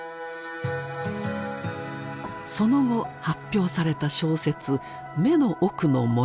その後発表された小説「眼の奥の森」。